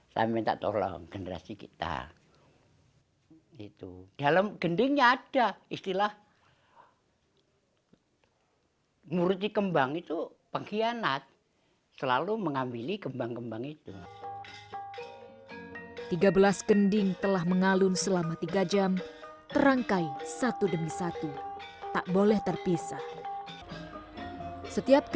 saya minta tolong generasi kita